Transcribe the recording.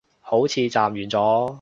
好似暫完咗